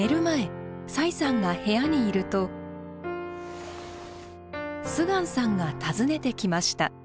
前崔さんが部屋にいると秀光さんが訪ねてきました。